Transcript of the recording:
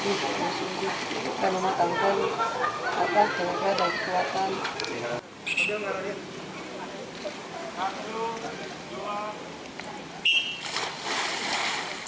bukan memakamkan tapi ada kekuatan